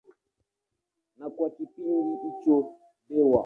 Na kwa kipindi hicho Bw.